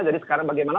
jadi sekarang bagaimana